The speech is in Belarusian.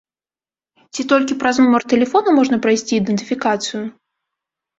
Ці толькі праз нумар тэлефона можна прайсці ідэнтыфікацыю?